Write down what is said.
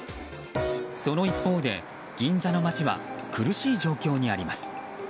その一方で銀座の街は苦しい状況にあります。